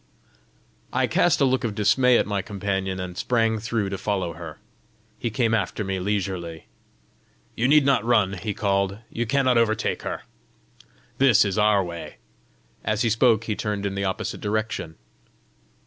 I cast a look of dismay at my companion, and sprang through to follow her. He came after me leisurely. "You need not run," he called; "you cannot overtake her. This is our way." As he spoke he turned in the opposite direction.